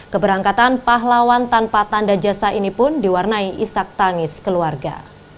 keberangkatan pahlawan tanpa tanda jasa ini pun diwarnai isak tangis keluarga